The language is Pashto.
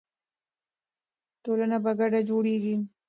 ټولنه په ګډه جوړیږي.